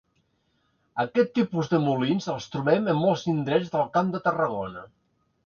Aquest tipus de molins els trobem en molts indrets del Camp de Tarragona.